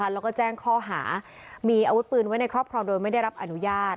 แล้วก็แจ้งข้อหามีอาวุธปืนไว้ในครอบครองโดยไม่ได้รับอนุญาต